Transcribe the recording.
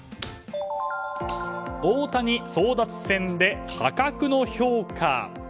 大谷争奪戦で破格の評価。